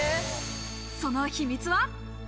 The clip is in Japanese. その秘密は？